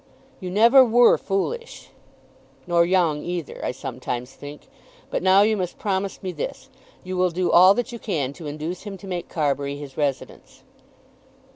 "You never were foolish." "Nor young either, I sometimes think. But now you must promise me this. You will do all that you can to induce him to make Carbury his residence."